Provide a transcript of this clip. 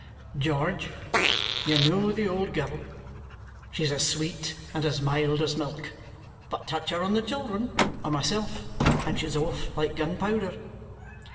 "George, you know the old girl she's as sweet and as mild as milk. But touch her on the children or myself and she's off like gunpowder."